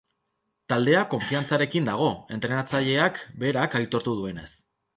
Taldea konfiantzarekin dago, entrenatzaileak berak aitortu duenez.